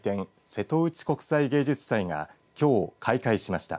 瀬戸内国際芸術祭がきょう開会しました。